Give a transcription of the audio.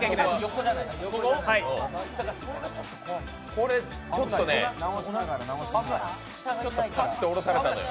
これ、ちょっとパッとおろされたのよ。